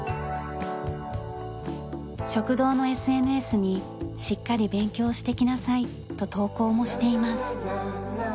食堂のＳＮＳに「しっかり勉強してきなさい」と投稿もしています。